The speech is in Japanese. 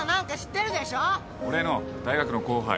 俺の大学の後輩。